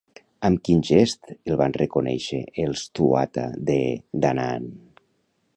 Amb quin gest el van reconèixer els Tuatha Dé Danaann?